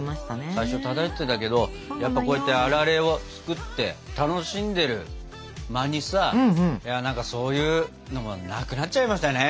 最初漂ってたけどやっぱこうやってあられを作って楽しんでる間にさそういうのもなくなっちゃいましたよね。